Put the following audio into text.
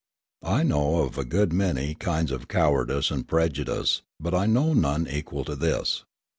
I know of a good many kinds of cowardice and prejudice, but I know none equal to this.